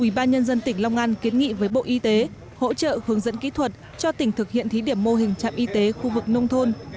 ủy ban nhân dân tỉnh long an kiến nghị với bộ y tế hỗ trợ hướng dẫn kỹ thuật cho tỉnh thực hiện thí điểm mô hình trạm y tế khu vực nông thôn